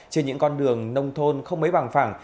trên những con đường nông thôn không mấy bằng phẳng